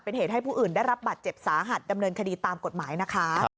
เป็นเหตุให้ผู้อื่นได้รับบัตรเจ็บสาหัสดำเนินคดีตามกฎหมายนะคะ